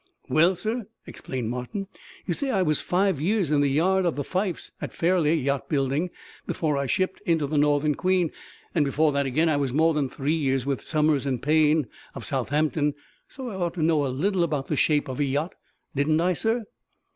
"Well, sir," explained Martin, "you see, I was five years in the yard of the Fifes at Fairlie, yacht buildin', before I shipped in the Northern Queen; and before that again I was more than three years with Summers and Payne, of Southampton; so I ought to know a little about the shape of a yacht, didn't I, sir?"